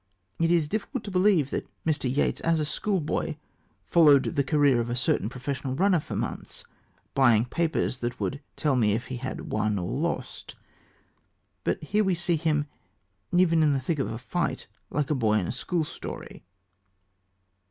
It is difficult to believe that Mr. Yeats as a schoolboy "followed the career of a certain professional runner for months, buying papers that would tell me if he had won or lost," but here we see him even in the thick of a fight like a boy in a school story.